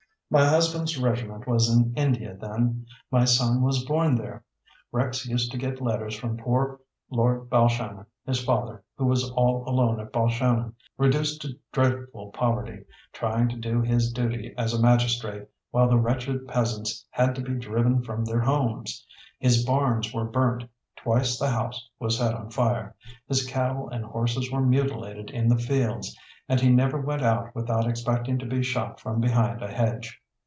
"My husband's regiment was in India then; my son was born there. Rex used to get letters from poor Lord Balshannon, his father, who was all alone at Balshannon, reduced to dreadful poverty, trying to do his duty as a magistrate, while the wretched peasants had to be driven from their homes. His barns were burnt, twice the house was set on fire, his cattle and horses were mutilated in the fields, and he never went out without expecting to be shot from behind a hedge.